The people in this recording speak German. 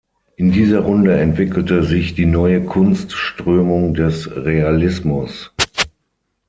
In dieser Runde entwickelte sich die neue Kunstströmung des Realismus.